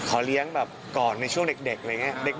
เลี้ยงแบบก่อนในช่วงเด็กอะไรอย่างนี้